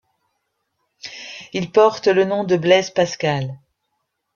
Il porte le nom de Blaise Pascal.